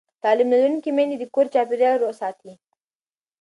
تعلیم لرونکې میندې د کور چاپېریال روغ ساتي.